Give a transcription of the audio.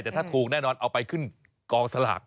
แต่ถ้าถูกแน่นอนเอาไปขึ้นกองสลาก